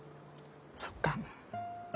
そっか。